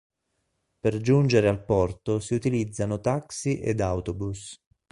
Per giungere al porto si utilizzano taxi ed autobus.